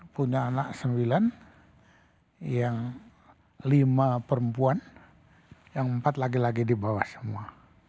punya anak sembilan yang lima perempuan yang empat lagi lagi di bawah semua